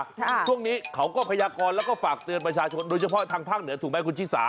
ช่วงนี้เขาก็พยากรแล้วก็ฝากเตือนประชาชนโดยเฉพาะทางภาคเหนือถูกไหมคุณชิสา